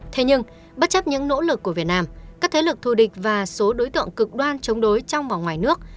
thế nhưng bất chấp những nỗ lực của việt nam các thế lực thù địch và số đối tượng cực đoan chống đối trong và ngoài nước